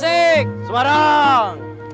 cirebon semarang semarang